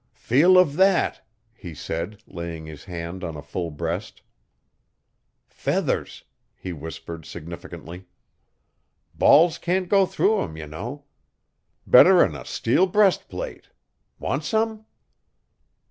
'Feel of that,' he said, laying his hand on a full breast. 'Feathers!' he whispered significantly. 'Balls can't go through 'em, ye know. Better n a steel breastplate! Want some?